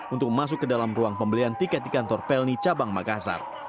untuk masuk ke dalam ruang pembelian tiket di kantor pelni cabang makassar